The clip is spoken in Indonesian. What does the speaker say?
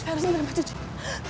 sylvia harus menerima cucunya